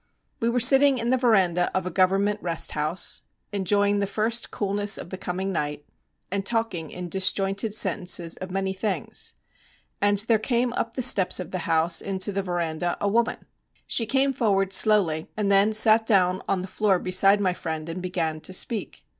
We were sitting in the veranda of a Government rest house, enjoying the first coolness of the coming night, and talking in disjointed sentences of many things; and there came up the steps of the house into the veranda a woman. She came forward slowly, and then sat down on the floor beside my friend, and began to speak.